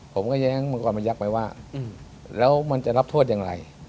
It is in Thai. ผมก็แย้งมังกรมายักษ์ไปว่าแล้วมันจะรับโทษอย่างไร